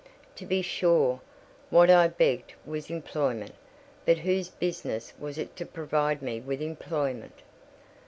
To be sure, what I begged was employment; but whose business was it to provide me with employment?